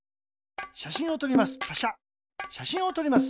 しゃしんをとります。